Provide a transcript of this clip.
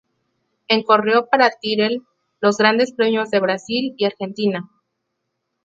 En corrió para Tyrrell los Grandes Premios de Brasil y Argentina.